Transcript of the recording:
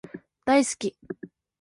大好き